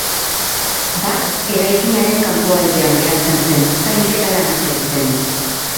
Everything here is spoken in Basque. Bat eraikinaren kanpoaldean geratzen zen, zainketa lanak egiten.